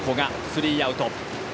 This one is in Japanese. スリーアウト。